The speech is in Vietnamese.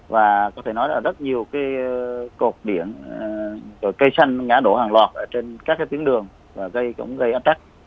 và có thể nói là rất nhiều cột điển cây xanh ngã đổ hàng loạt trên các tuyến đường và cũng gây ác tắc